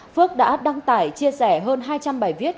phước đã đăng tải chia sẻ hơn hai trăm linh bài viết